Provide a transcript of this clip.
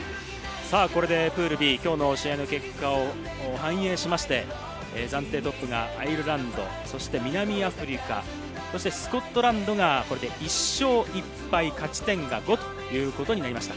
さあ、これでプールＢ、きょうの試合の結果を反映しまして、暫定トップがアイルランド、そして南アフリカ、そしてスコットランドがこれで１勝１敗、勝ち点が５ということになりました。